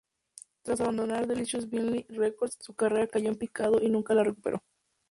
Tras abandonar Delicious Vinyl Records, su carrera cayó en picado y nunca la recuperó.